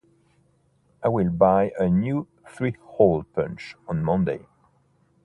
I will buy a new three-hole punch on Monday.